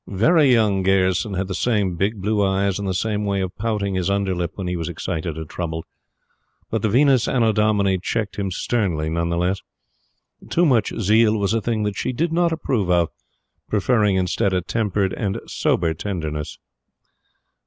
"Very Young" Gayerson had the same big blue eyes and the same way of pouting his underlip when he was excited or troubled. But the Venus Annodomini checked him sternly none the less. Too much zeal was a thing that she did not approve of; preferring instead, a tempered and sober tenderness.